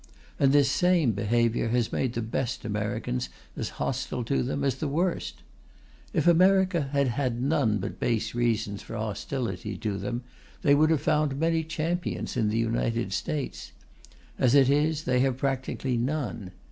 And this same behaviour has made the best Americans as hostile to them as the worst. If America had had none but base reasons for hostility to them, they would have found many champions in the United States; as it is, they have practically none.